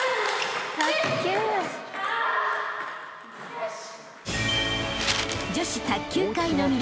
よし。